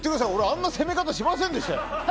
あんな攻め方しませんでしたよ。